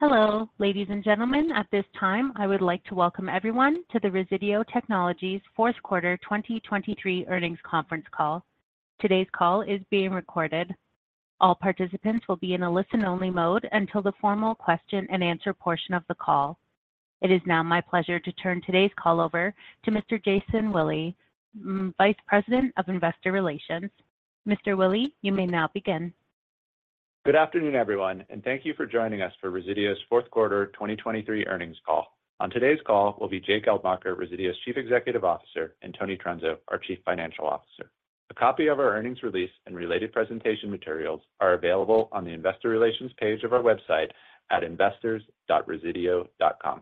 Hello, ladies and gentlemen. At this time, I would like to welcome everyone to the Resideo Technologies fourth quarter 2023 earnings conference call. Today's call is being recorded. All participants will be in a listen-only mode until the formal question-and-answer portion of the call. It is now my pleasure to turn today's call over to Mr. Jason Willey, Vice President of Investor Relations. Mr. Willey, you may now begin. Good afternoon, everyone, and thank you for joining us for Resideo's fourth quarter 2023 earnings call. On today's call will be Jay Geldmacher, Resideo's Chief Executive Officer, and Tony Trunzo, our Chief Financial Officer. A copy of our earnings release and related presentation materials are available on the investor relations page of our website at investors.resideo.com.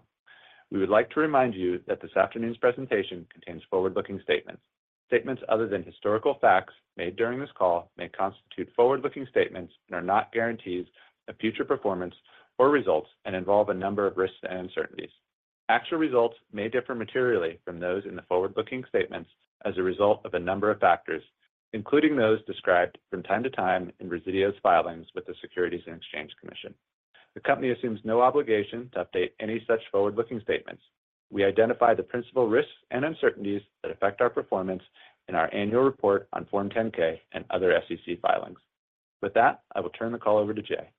We would like to remind you that this afternoon's presentation contains forward-looking statements. Statements other than historical facts made during this call may constitute forward-looking statements and are not guarantees of future performance or results and involve a number of risks and uncertainties. Actual results may differ materially from those in the forward-looking statements as a result of a number of factors, including those described from time to time in Resideo's filings with the Securities and Exchange Commission. The company assumes no obligation to update any such forward-looking statements. We identify the principal risks and uncertainties that affect our performance in our annual report on Form 10-K and other SEC filings. With that, I will turn the call over to Jay.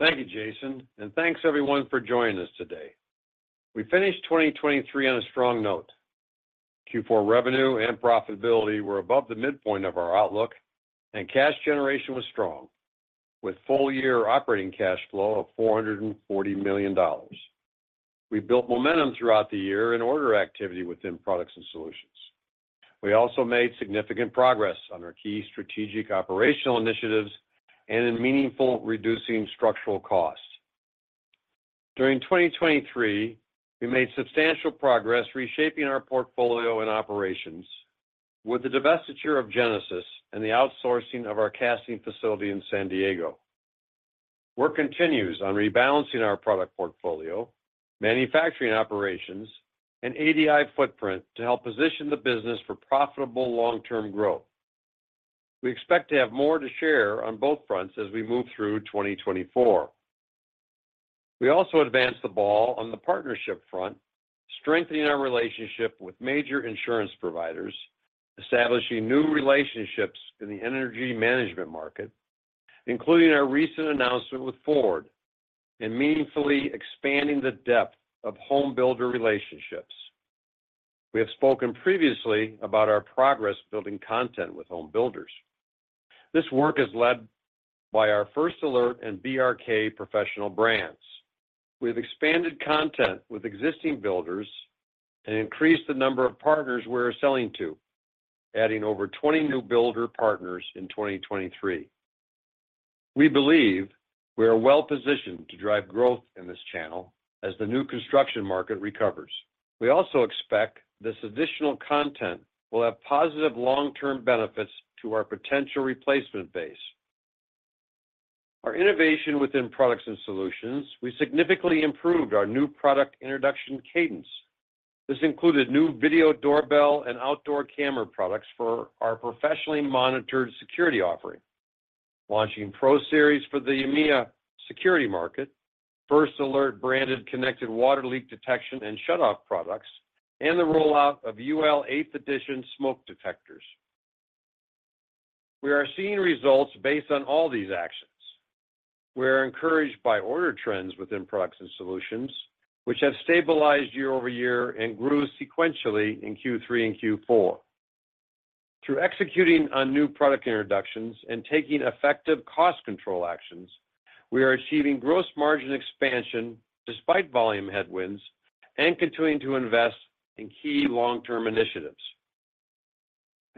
Thank you, Jason, and thanks everyone for joining us today. We finished 2023 on a strong note. Q4 revenue and profitability were above the midpoint of our outlook, and cash generation was strong, with full-year operating cash flow of $440 million. We built momentum throughout the year in order activity within Products and Solutions. We also made significant progress on our key strategic operational initiatives and in meaningfully reducing structural costs. During 2023, we made substantial progress reshaping our portfolio and operations with the divestiture of Genesis and the outsourcing of our casting facility in San Diego. Work continues on rebalancing our product portfolio, manufacturing operations, and ADI footprint to help position the business for profitable long-term growth. We expect to have more to share on both fronts as we move through 2024. We also advanced the ball on the partnership front, strengthening our relationship with major insurance providers, establishing new relationships in the energy management market, including our recent announcement with Ford, and meaningfully expanding the depth of home builder relationships. We have spoken previously about our progress building content with home builders. This work is led by our First Alert and BRK professional brands. We have expanded content with existing builders and increased the number of partners we're selling to, adding over 20 new builder partners in 2023. We believe we are well positioned to drive growth in this channel as the new construction market recovers. We also expect this additional content will have positive long-term benefits to our potential replacement base. Our innovation within Products and Solutions. We significantly improved our new product introduction cadence. This included new video doorbell and outdoor camera products for our professionally monitored security offering, launching ProSeries for the EMEA security market, First Alert-branded connected water leak detection and shutoff products, and the rollout of UL Eighth Edition smoke detectors. We are seeing results based on all these actions. We are encouraged by order trends within Products and Solutions, which have stabilized year-over-year and grew sequentially in Q3 and Q4. Through executing on new product introductions and taking effective cost control actions, we are achieving gross margin expansion despite volume headwinds and continuing to invest in key long-term initiatives.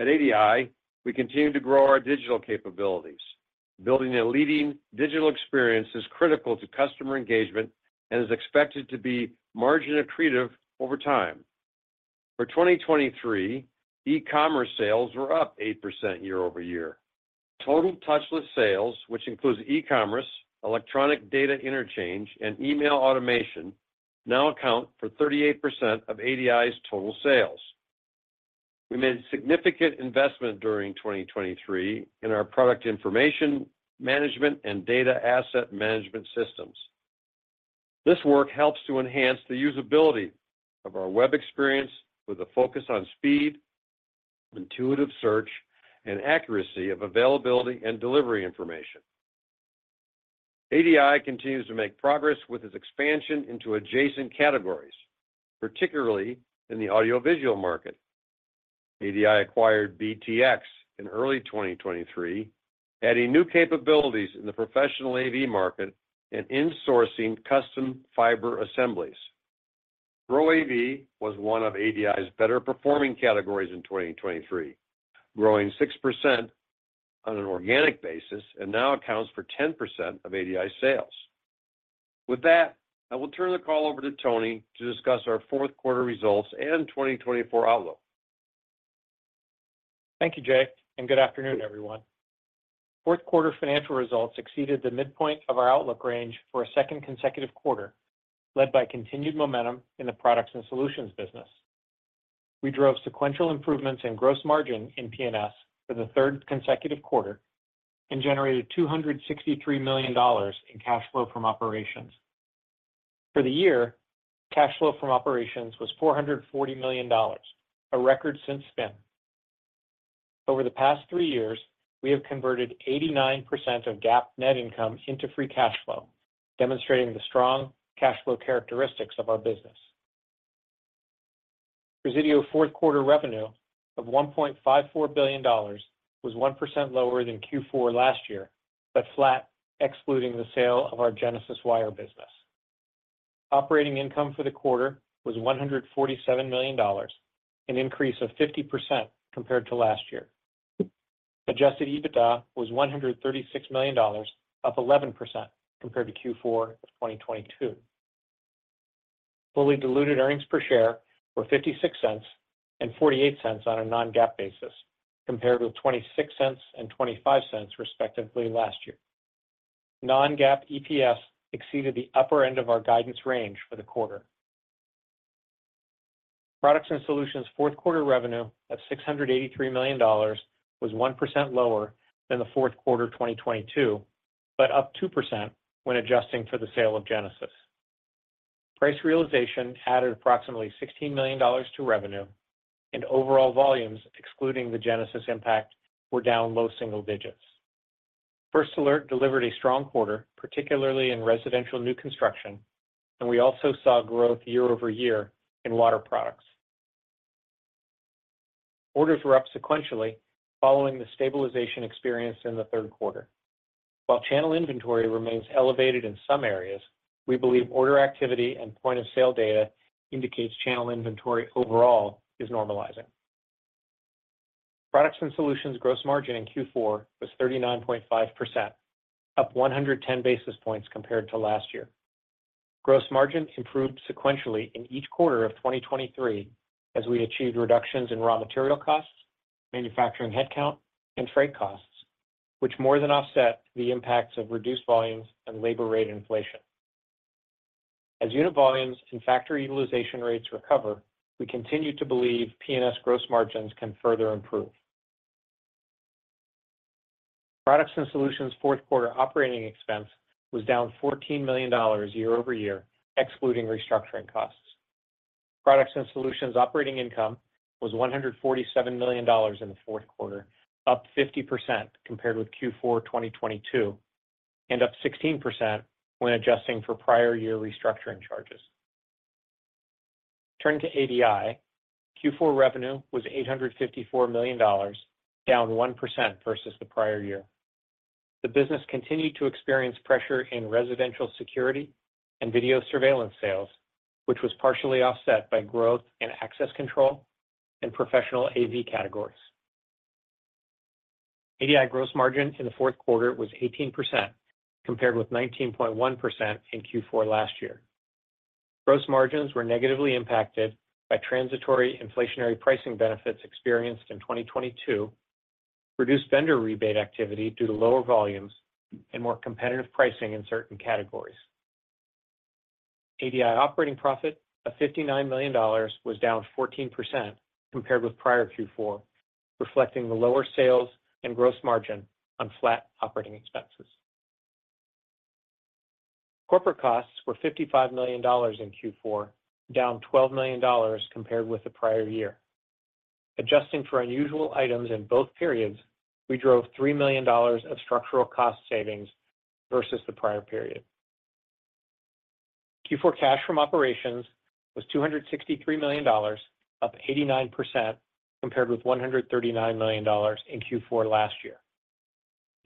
At ADI, we continue to grow our digital capabilities. Building a leading digital experience is critical to customer engagement and is expected to be margin accretive over time. For 2023, e-commerce sales were up 8% year-over-year. Total touchless sales, which includes e-commerce, electronic data interchange, and email automation, now account for 38% of ADI's total sales. We made significant investment during 2023 in our product information management and data asset management systems. This work helps to enhance the usability of our web experience with a focus on speed, intuitive search, and accuracy of availability and delivery information. ADI continues to make progress with its expansion into adjacent categories, particularly in the audiovisual market. ADI acquired BTX in early 2023, adding new capabilities in the professional AV market and insourcing custom fiber assemblies. Pro AV was one of ADI's better-performing categories in 2023, growing 6% on an organic basis and now accounts for 10% of ADI's sales. With that, I will turn the call over to Tony to discuss our fourth quarter results and 2024 outlook. Thank you, Jay, and good afternoon, everyone. Fourth quarter financial results exceeded the midpoint of our outlook range for a second consecutive quarter, led by continued momentum in the Products and Solutions business. We drove sequential improvements in gross margin in P&S for the third consecutive quarter and generated $263 million in cash flow from operations. For the year, cash flow from operations was $440 million, a record since spin. Over the past three years, we have converted 89% of GAAP net income into free cash flow, demonstrating the strong cash flow characteristics of our business. Resideo fourth quarter revenue of $1.54 billion was 1% lower than Q4 last year, but flat, excluding the sale of our Genesis Wire business. Operating income for the quarter was $147 million, an increase of 50% compared to last year. Adjusted EBITDA was $136 million, up 11% compared to Q4 of 2022. Fully diluted earnings per share were $0.56 and $0.48 on a non-GAAP basis, compared with $0.26 and $0.25, respectively, last year. Non-GAAP EPS exceeded the upper end of our guidance range for the quarter. Products and Solutions fourth quarter revenue of $683 million was 1% lower than the fourth quarter 2022, but up 2% when adjusting for the sale of Genesis. Price realization added approximately $16 million to revenue, and overall volumes, excluding the Genesis impact, were down low single digits. First Alert delivered a strong quarter, particularly in residential new construction, and we also saw growth year-over-year in water products. Orders were up sequentially, following the stabilization experienced in the third quarter. While channel inventory remains elevated in some areas, we believe order activity and point-of-sale data indicates channel inventory overall is normalizing. Products and Solutions gross margin in Q4 was 39.5%, up 110 basis points compared to last year. Gross margin improved sequentially in each quarter of 2023 as we achieved reductions in raw material costs, manufacturing headcount, and freight costs, which more than offset the impacts of reduced volumes and labor rate inflation. As unit volumes and factory utilization rates recover, we continue to believe P&S gross margins can further improve. Products and Solutions' fourth quarter operating expense was down $14 million year-over-year, excluding restructuring costs. Products and Solutions operating income was $147 million in the fourth quarter, up 50% compared with Q4 2022, and up 16% when adjusting for prior-year restructuring charges. Turning to ADI, Q4 revenue was $854 million, down 1% versus the prior year. The business continued to experience pressure in residential security and video surveillance sales, which was partially offset by growth in access control and professional AV categories. ADI gross margin in the fourth quarter was 18%, compared with 19.1% in Q4 last year. Gross margins were negatively impacted by transitory inflationary pricing benefits experienced in 2022, reduced vendor rebate activity due to lower volumes, and more competitive pricing in certain categories. ADI operating profit of $59 million was down 14% compared with prior Q4, reflecting the lower sales and gross margin on flat operating expenses. Corporate costs were $55 million in Q4, down $12 million compared with the prior year. Adjusting for unusual items in both periods, we drove $3 million of structural cost savings versus the prior period. Q4 cash from operations was $263 million, up 89% compared with $139 million in Q4 last year.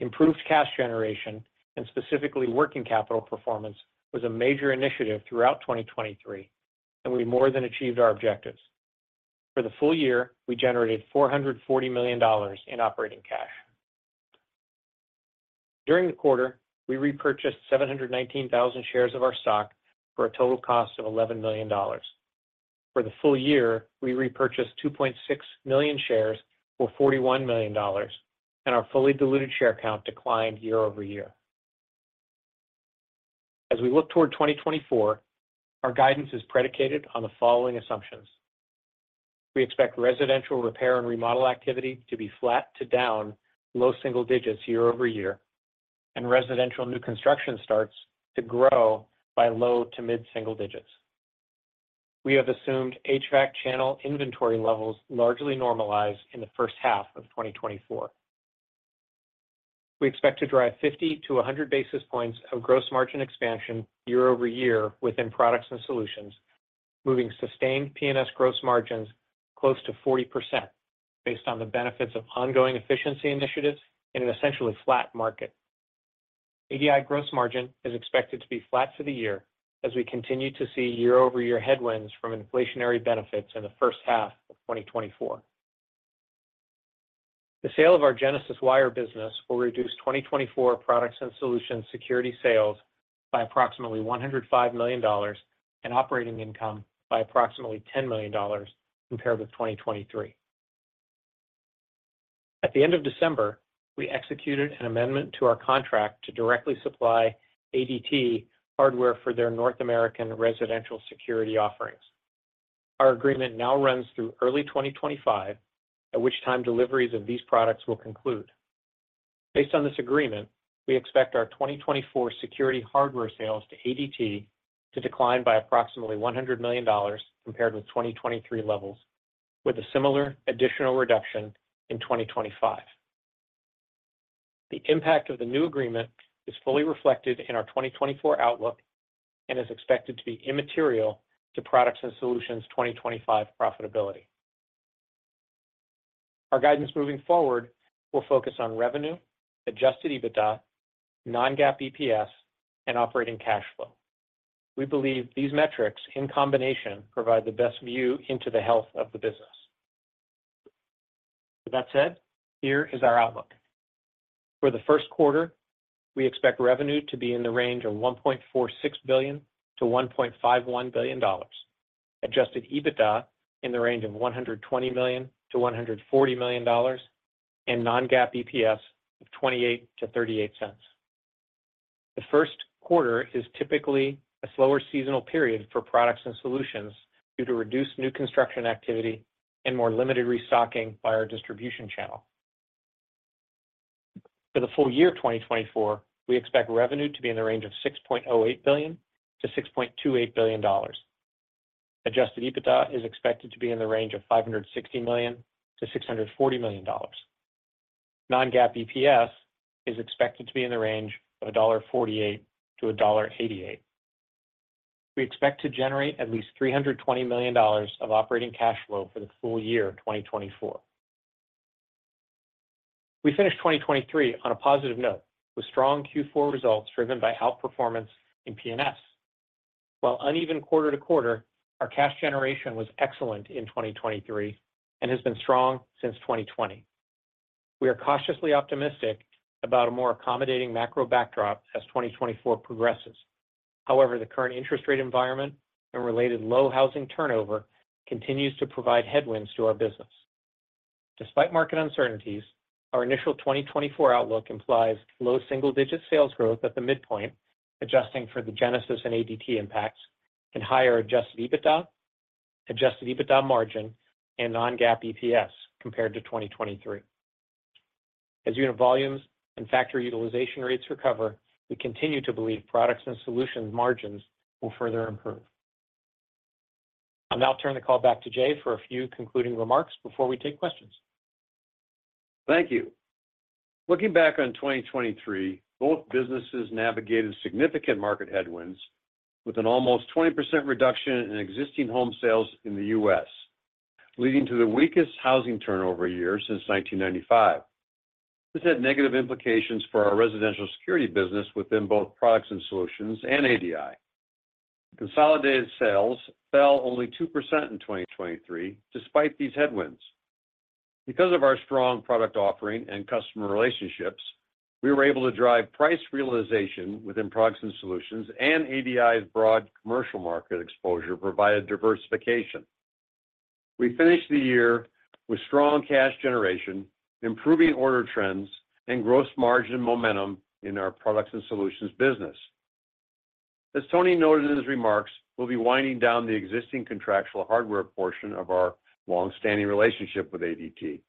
Improved cash generation, and specifically working capital performance, was a major initiative throughout 2023, and we more than achieved our objectives. For the full year, we generated $440 million in operating cash. During the quarter, we repurchased 719,000 shares of our stock for a total cost of $11 million. For the full year, we repurchased 2.6 million shares for $41 million, and our fully diluted share count declined year-over-year. As we look toward 2024, our guidance is predicated on the following assumptions. We expect residential repair and remodel activity to be flat to down low single digits year-over-year, and residential new construction starts to grow by low- to mid-single digits. We have assumed HVAC channel inventory levels largely normalized in the first half of 2024. We expect to drive 50-100 basis points of gross margin expansion year-over-year within Products and Solutions, moving sustained P&S gross margins close to 40%, based on the benefits of ongoing efficiency initiatives in an essentially flat market. ADI gross margin is expected to be flat for the year as we continue to see year-over-year headwinds from inflationary benefits in the first half of 2024. The sale of our Genesis Wire business will reduce 2024 Products and Solutions security sales by approximately $105 million and operating income by approximately $10 million compared with 2023. At the end of December, we executed an amendment to our contract to directly supply ADT hardware for their North American residential security offerings. Our agreement now runs through early 2025, at which time deliveries of these products will conclude. Based on this agreement, we expect our 2024 security hardware sales to ADT to decline by approximately $100 million compared with 2023 levels, with a similar additional reduction in 2025. The impact of the new agreement is fully reflected in our 2024 outlook and is expected to be immaterial to Products & Solutions' 2025 profitability. Our guidance moving forward will focus on revenue, Adjusted EBITDA, non-GAAP EPS, and operating cash flow. We believe these metrics, in combination, provide the best view into the health of the business. With that said, here is our outlook. For the first quarter, we expect revenue to be in the range of $1.46 billion-$1.51 billion. Adjusted EBITDA in the range of $120 million-$140 million, and non-GAAP EPS of $0.28-$0.38. The first quarter is typically a slower seasonal period for Products & Solutions due to reduced new construction activity and more limited restocking by our distribution channel. For the full year of 2024, we expect revenue to be in the range of $6.08 billion-$6.28 billion. Adjusted EBITDA is expected to be in the range of $560 million-$640 million. Non-GAAP EPS is expected to be in the range of $1.48-$1.88. We expect to generate at least $320 million of operating cash flow for the full year of 2024. We finished 2023 on a positive note, with strong Q4 results driven by outperformance in P&S. While uneven quarter-to-quarter, our cash generation was excellent in 2023 and has been strong since 2020. We are cautiously optimistic about a more accommodating macro backdrop as 2024 progresses. However, the current interest rate environment and related low housing turnover continues to provide headwinds to our business. Despite market uncertainties, our initial 2024 outlook implies low single-digit sales growth at the midpoint, adjusting for the Genesis and ADT impacts, and higher Adjusted EBITDA, Adjusted EBITDA margin, and non-GAAP EPS compared to 2023. As unit volumes and factory utilization rates recover, we continue to believe Products & Solutions margins will further improve. I'll now turn the call back to Jay for a few concluding remarks before we take questions. Thank you. Looking back on 2023, both businesses navigated significant market headwinds with an almost 20% reduction in existing home sales in the U.S., leading to the weakest housing turnover year since 1995. This had negative implications for our residential security business within both Products & Solutions and ADI. Consolidated sales fell only 2% in 2023, despite these headwinds. Because of our strong product offering and customer relationships, we were able to drive price realization within Products & Solutions, and ADI's broad commercial market exposure provided diversification. We finished the year with strong cash generation, improving order trends, and gross margin momentum in our Products & Solutions business. As Tony noted in his remarks, we'll be winding down the existing contractual hardware portion of our long-standing relationship with ADT.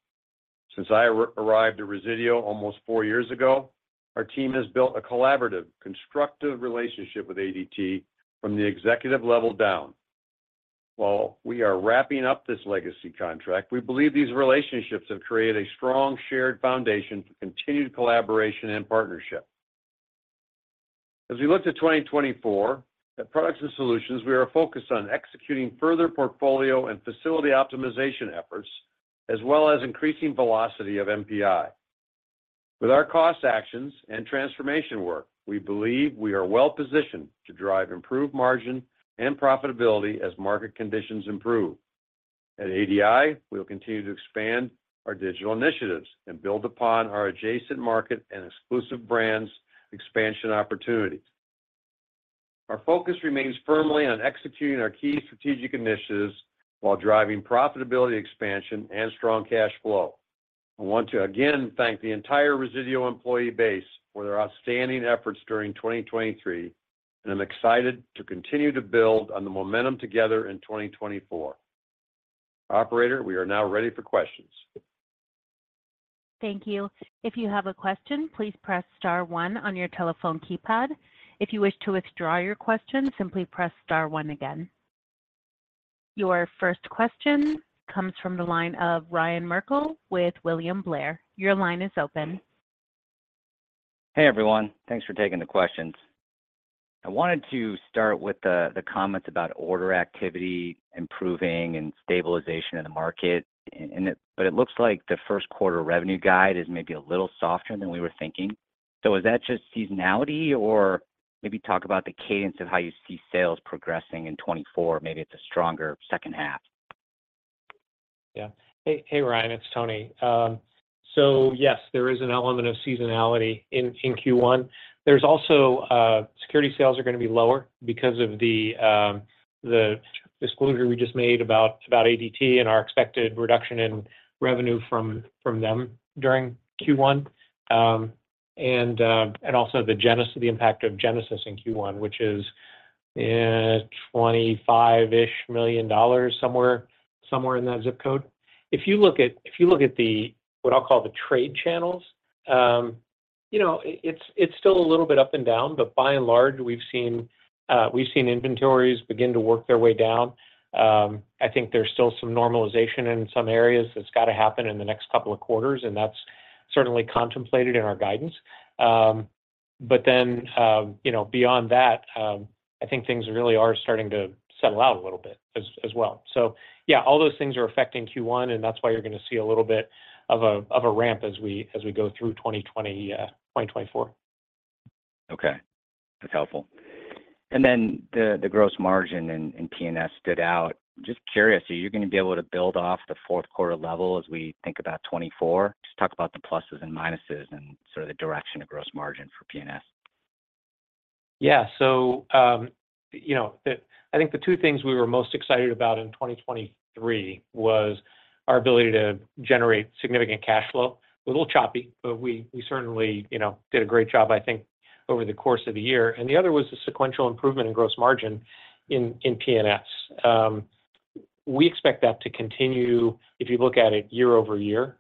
Since I arrived at Resideo almost four years ago, our team has built a collaborative, constructive relationship with ADT from the executive level down. While we are wrapping up this legacy contract, we believe these relationships have created a strong shared foundation for continued collaboration and partnership. As we look to 2024, at Products & Solutions, we are focused on executing further portfolio and facility optimization efforts, as well as increasing velocity of NPI. With our cost actions and transformation work, we believe we are well positioned to drive improved margin and profitability as market conditions improve. At ADI, we will continue to expand our digital initiatives and build upon our adjacent market and exclusive brands expansion opportunities. Our focus remains firmly on executing our key strategic initiatives while driving profitability, expansion, and strong cash flow. I want to again thank the entire Resideo employee base for their outstanding efforts during 2023, and I'm excited to continue to build on the momentum together in 2024. Operator, we are now ready for questions. Thank you. If you have a question, please press star one on your telephone keypad. If you wish to withdraw your question, simply press star one again. Your first question comes from the line of Ryan Merkel with William Blair. Your line is open. Hey, everyone. Thanks for taking the questions. I wanted to start with the comments about order activity improving and stabilization of the market. But it looks like the first quarter revenue guide is maybe a little softer than we were thinking. So is that just seasonality, or maybe talk about the cadence of how you see sales progressing in 2024? Maybe it's a stronger second half. Yeah. Hey, hey, Ryan, it's Tony. So yes, there is an element of seasonality in Q1. There's also security sales are going to be lower because of the disclosure we just made about ADT and our expected reduction in revenue from them during Q1. And also the impact of Genesis in Q1, which is $25-ish million, somewhere in that zip code. If you look at what I'll call the trade channels, you know, it's still a little bit up and down, but by and large, we've seen inventories begin to work their way down. I think there's still some normalization in some areas that's got to happen in the next couple of quarters, and that's certainly contemplated in our guidance. But then, you know, beyond that, I think things really are starting to settle out a little bit as well. So yeah, all those things are affecting Q1, and that's why you're going to see a little bit of a ramp as we go through 2024. Okay, that's helpful. Then the gross margin in P&S stood out. Just curious, are you going to be able to build off the fourth quarter level as we think about 2024? Just talk about the pluses and minuses and sort of the direction of gross margin for P&S. Yeah. So, you know, I think the two things we were most excited about in 2023 was our ability to generate significant cash flow. A little choppy, but we certainly, you know, did a great job, I think, over the course of the year. And the other was the sequential improvement in gross margin in P&S. We expect that to continue if you look at it year-over-year.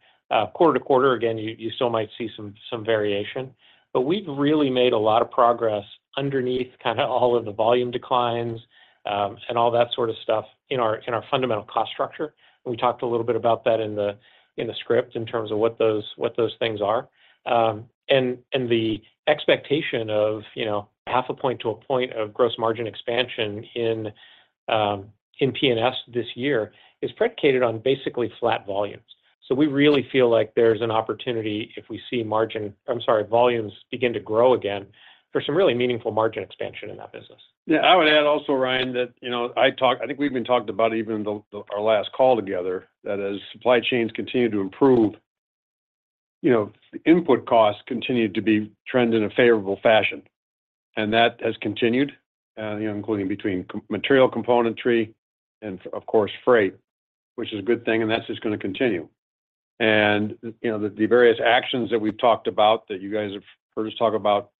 Quarter-to-quarter, again, you still might see some variation, but we've really made a lot of progress underneath kind of all of the volume declines and all that sort of stuff in our fundamental cost structure. We talked a little bit about that in the script in terms of what those things are. And the expectation of, you know, 0.5-1 point of gross margin expansion in in P&S this year is predicated on basically flat volumes. So we really feel like there's an opportunity if we see margin- I'm sorry, volumes begin to grow again for some really meaningful margin expansion in that business. Yeah. I would add also, Ryan, that, you know, I talked—I think we even talked about even our last call together, that as supply chains continue to improve, you know, input costs continued to be trended in a favorable fashion, and that has continued, you know, including between component material componentry and of course, freight, which is a good thing, and that's just going to continue. And, you know, the various actions that we've talked about, that you guys have heard us talk about,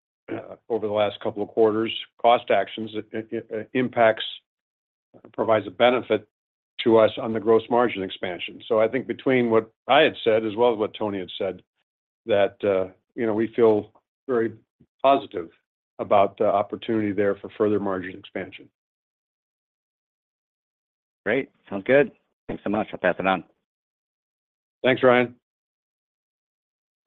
over the last couple of quarters, cost actions, it provides a benefit to us on the gross margin expansion. So I think between what I had said as well as what Tony had said, that, you know, we feel very positive about the opportunity there for further margin expansion. Great. Sounds good. Thanks so much. I'll pass it on. Thanks, Ryan.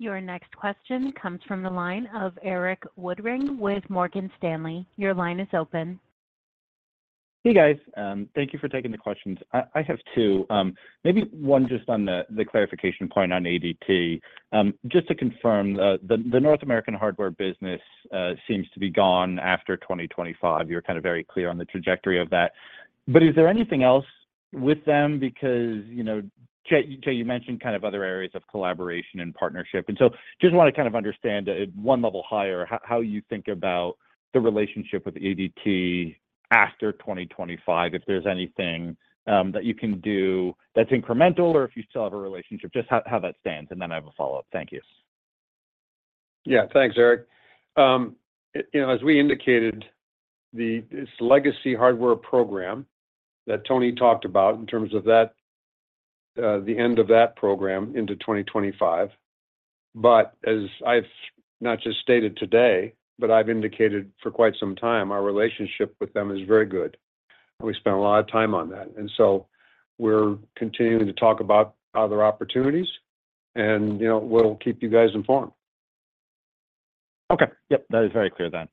Your next question comes from the line of Eric Woodring with Morgan Stanley. Your line is open. Hey, guys. Thank you for taking the questions. I have two. Maybe one just on the clarification point on ADT. Just to confirm, the North American hardware business seems to be gone after 2025. You're kind of very clear on the trajectory of that. But is there anything else with them? Because, you know, Jay, you mentioned kind of other areas of collaboration and partnership, and so just want to kind of understand at one level higher, how you think about the relationship with ADT after 2025. If there's anything that you can do that's incremental or if you still have a relationship, just how that stands, and then I have a follow-up. Thank you. Yeah. Thanks, Eric. You know, as we indicated, the this legacy hardware program that Tony talked about in terms of that, the end of that program into 2025, but as I've not just stated today, but I've indicated for quite some time, our relationship with them is very good. We spent a lot of time on that, and so we're continuing to talk about other opportunities, and, you know, we'll keep you guys informed. Okay. Yep, that is very clear then.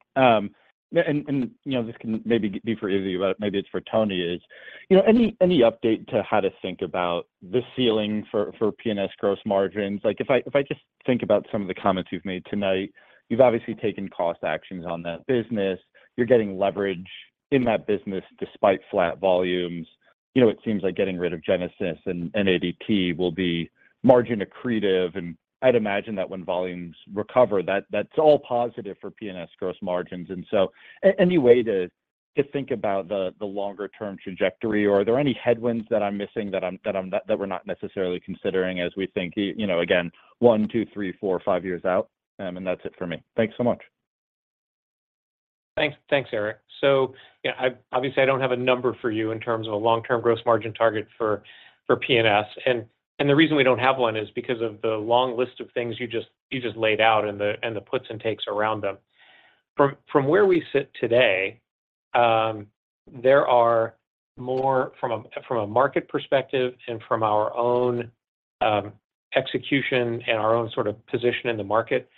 And, you know, this can maybe be for either of you, but maybe it's for Tony, is, you know, any update to how to think about the ceiling for P&S gross margins? Like, if I just think about some of the comments you've made tonight, you've obviously taken cost actions on that business. You're getting leverage in that business despite flat volumes. You know, it seems like getting rid of Genesis and ADT will be margin accretive, and I'd imagine that when volumes recover, that's all positive for P&S gross margins. And so any way to think about the longer term trajectory, or are there any headwinds that I'm missing that we're not necessarily considering as we think, you know, again, one, two, three, four, five years out? And that's it for me. Thanks so much. Thanks. Thanks, Eric. So, yeah, I obviously don't have a number for you in terms of a long-term Gross Margin target for P&S. The reason we don't have one is because of the long list of things you just laid out and the puts and takes around them. From where we sit today, there are more, from a market perspective and from our own execution and our own sort of position in the market.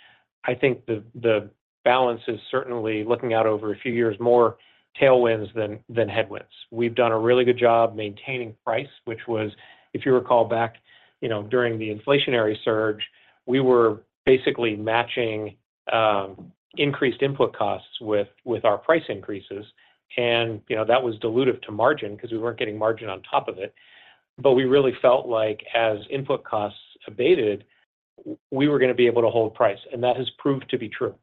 I think the balance is certainly looking out over a few years, more tailwinds than headwinds. We've done a really good job maintaining price, which was, if you recall back, you know, during the inflationary surge, we were basically matching increased input costs with our price increases. You know, that was dilutive to margin because we weren't getting margin on top of it. But we really felt like as input costs abated, we were going to be able to hold price, and that has proved to be true.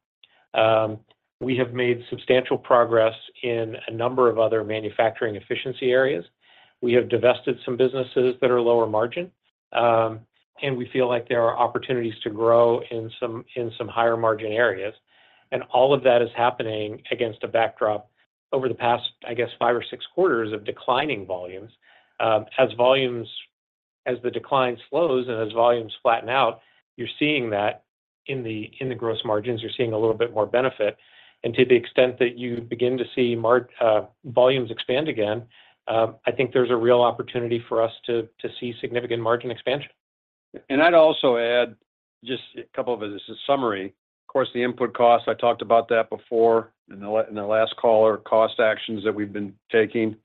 We have made substantial progress in a number of other manufacturing efficiency areas. We have divested some businesses that are lower margin, and we feel like there are opportunities to grow in some higher margin areas. All of that is happening against a backdrop over the past, I guess, five or six quarters of declining volumes. As the decline slows and as volumes flatten out, you're seeing that in the gross margins. You're seeing a little bit more benefit. To the extent that you begin to see volumes expand again, I think there's a real opportunity for us to see significant margin expansion. I'd also add just a couple, as a summary. Of course, the input costs, I talked about that before in the last call, our cost actions that we've been taking.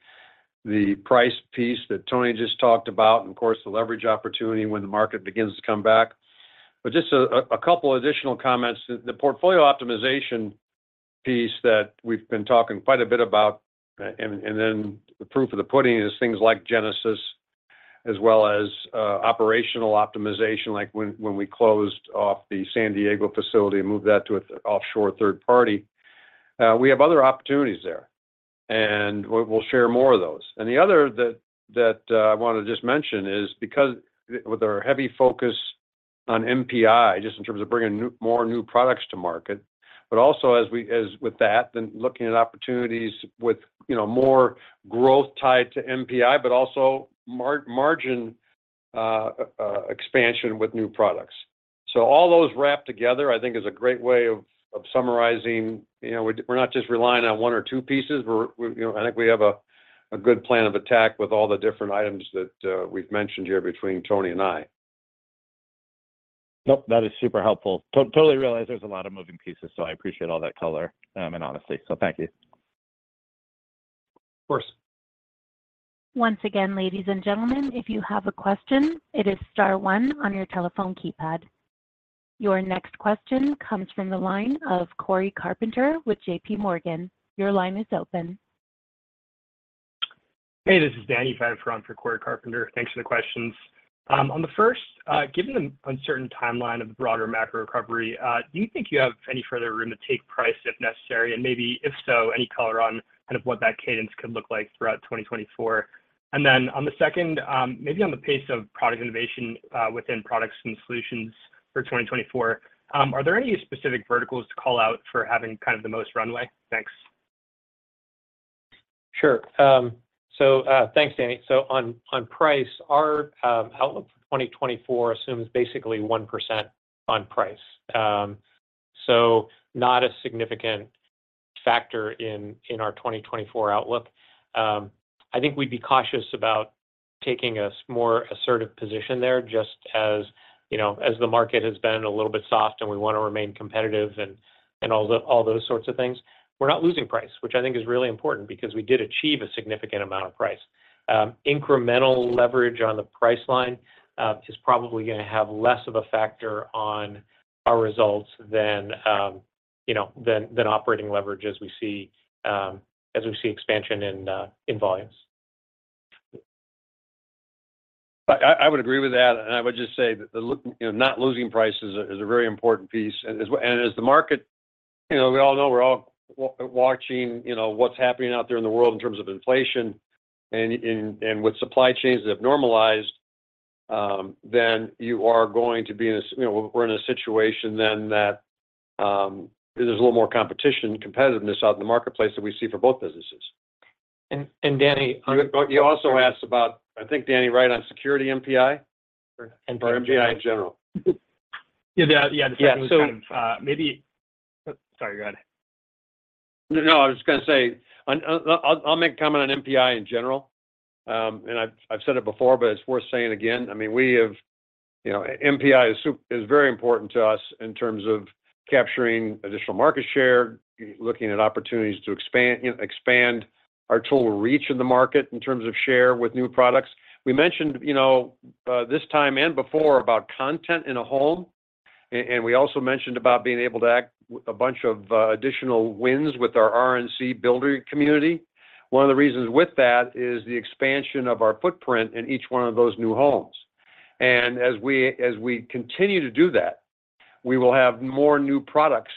The price piece that Tony just talked about, and of course, the leverage opportunity when the market begins to come back. But just a couple additional comments. The portfolio optimization piece that we've been talking quite a bit about, and then the proof of the pudding is things like Genesis as well as operational optimization, like when we closed off the San Diego facility and moved that to an offshore third party. We have other opportunities there, and we'll share more of those. The other I wanted to just mention is because with our heavy focus on NPI, just in terms of bringing more new products to market, but also as with that, then looking at opportunities with, you know, more growth tied to NPI, but also margin expansion with new products. So all those wrapped together, I think is a great way of summarizing. You know, we're not just relying on one or two pieces. We're, you know... I think we have a good plan of attack with all the different items that we've mentioned here between Tony and I. Nope, that is super helpful. To totally realize there's a lot of moving pieces, so I appreciate all that color, and honesty. So thank you. Of course. Once again, ladies and gentlemen, if you have a question, it is star one on your telephone keypad. Your next question comes from the line of Corey Carpenter with JP Morgan. Your line is open. Hey, this is Danny Pfirrmann for Corey Carpenter. Thanks for the questions. On the first, given the uncertain timeline of the broader macro recovery, do you think you have any further room to take price if necessary? And maybe if so, any color on kind of what that cadence could look like throughout 2024. And then on the second, maybe on the pace of product innovation, within Products and Solutions for 2024, are there any specific verticals to call out for having kind of the most runway? Thanks. Sure. So, thanks, Danny. So on price, our outlook for 2024 assumes basically 1% on price. So not a significant factor in our 2024 outlook. I think we'd be cautious about taking a more assertive position there, just as, you know, as the market has been a little bit soft and we want to remain competitive and all those sorts of things. We're not losing price, which I think is really important because we did achieve a significant amount of price. Incremental leverage on the price line is probably gonna have less of a factor on our results than, you know, than operating leverage as we see expansion in volumes. I would agree with that, and I would just say that the look, you know, not losing price is a very important piece. And as the market, you know, we all know, we're all watching, you know, what's happening out there in the world in terms of inflation and with supply chains that have normalized, then you are going to be in a... You know, we're in a situation then that there's a little more competition, competitiveness out in the marketplace that we see for both businesses. And Danny, You also asked about, I think, Danny, right on security NPI? NPI. NPI in general. Yeah, yeah. Yeah, so- Maybe... Sorry, go ahead. No, no, I was just gonna say, I'll make a comment on NPI in general. And I've said it before, but it's worth saying again. I mean, we have, you know, NPI is very important to us in terms of capturing additional market share, looking at opportunities to expand, you know, expand our total reach in the market in terms of share with new products. We mentioned, you know, this time and before about content in a home, and we also mentioned about being able to act with a bunch of additional wins with our RNC builder community. One of the reasons with that is the expansion of our footprint in each one of those new homes. And as we continue to do that, we will have more new products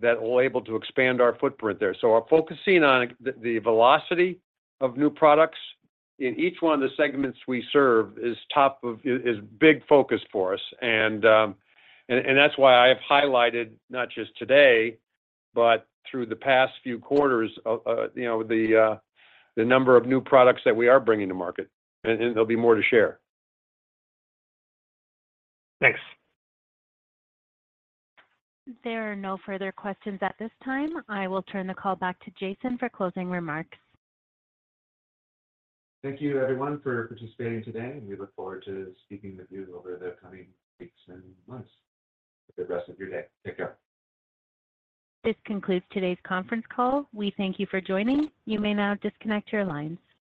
that will able to expand our footprint there. Our focus on the velocity of new products in each one of the segments we serve is top of mind and is a big focus for us. And that's why I have highlighted, not just today, but through the past few quarters, you know, the number of new products that we are bringing to market, and there'll be more to share. Thanks. There are no further questions at this time. I will turn the call back to Jason for closing remarks. Thank you everyone for participating today, and we look forward to speaking with you over the coming weeks and months. Have a good rest of your day. Take care. This concludes today's conference call. We thank you for joining. You may now disconnect your lines.